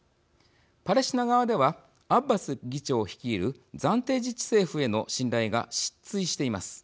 パレスチナ側ではアッバス議長率いる暫定自治政府への信頼が失墜しています。